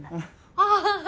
ああ！